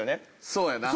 そうやな。